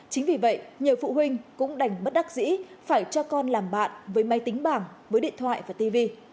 chính vì vậy nhiều phụ huynh cũng đành bất đắc dĩ phải cho con làm bạn với máy tính bảng với điện thoại và tv